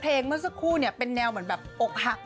เมื่อสักครู่เนี่ยเป็นแนวเหมือนแบบอกหัก